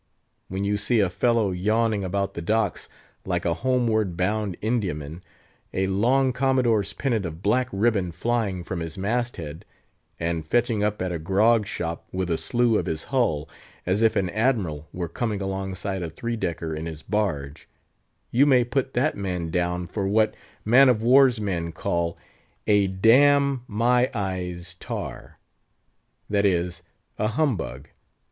When you see a fellow yawning about the docks like a homeward bound Indiaman, a long Commodore's pennant of black ribbon flying from his mast head, and fetching up at a grog shop with a slew of his hull, as if an Admiral were coming alongside a three decker in his barge; you may put that man down for what man of war's men call a damn my eyes tar, that is, a humbug.